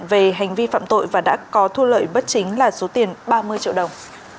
về hành vi phạm tội và đã có thu lợi bất chính là số tiền ba mươi triệu đồng